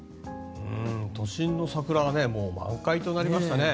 都心の桜は満開となりましたね。